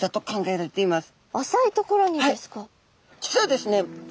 実はですね